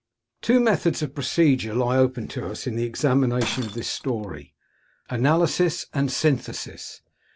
Two methods of procedure lie open to us in the examination of this story, analysis and synthesis.